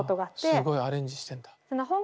ああすごいアレンジしてんだ。